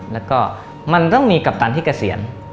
แล้วก็มันต้องมีกัปตันที่เกษียณ